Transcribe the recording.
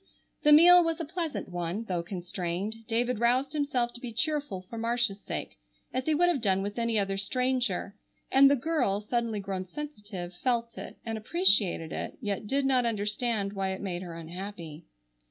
The meal was a pleasant one, though constrained. David roused himself to be cheerful for Marcia's sake, as he would have done with any other stranger, and the girl, suddenly grown sensitive, felt it, and appreciated it, yet did not understand why it made her unhappy.